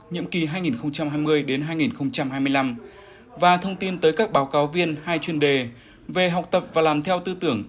nhiệm kỳ hai nghìn hai mươi hai nghìn hai mươi năm và thông tin tới các báo cáo viên hai chuyên đề về học tập và làm theo tư tưởng